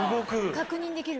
確認できる。